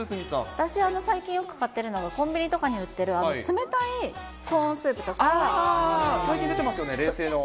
私、最近よく買ってるのが、コンビニとかに売ってる、冷たいコーンスープとか。最近出てますよね、冷製の。